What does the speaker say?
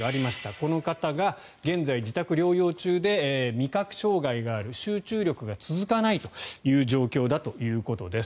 この方が現在、自宅療養中で味覚障害がある集中力が続かないという状況だということです。